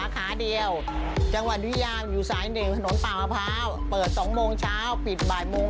ก็ได้บ้างไม่ได้บ้าง